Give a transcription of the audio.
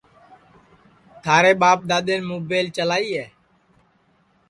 تھارے ٻاپ دؔادؔین مُبیل چلائی ہے